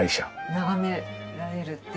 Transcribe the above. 眺められるっていう。